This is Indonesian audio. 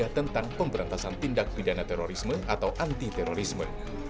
tentang pemberantasan tindak pidana terorisme atau anti terorisme